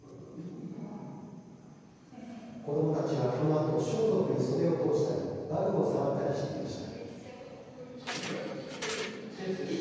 子どもたちはこのあと装束に袖を通したり馬具を触ったりしていました。